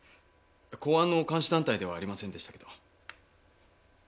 公安の監視団体ではありませんでしたけど。